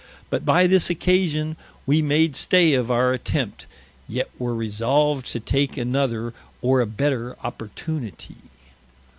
But by this occasion wee made stay of our attempt, yet were resolved to take another or a better oportunitie.